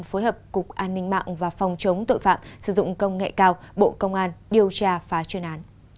phối hợp cục an ninh mạng và phòng chống tội phạm sử dụng công nghệ cao bộ công an điều tra phá chuyên án